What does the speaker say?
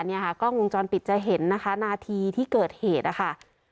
เนี่ยค่ะกล้องวงจรปิดจะเห็นนะคะนาทีที่เกิดเหตุนะคะ